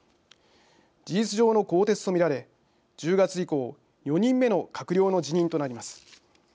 事実上の更迭と見られ１０月以降４人目の閣僚の辞任となります。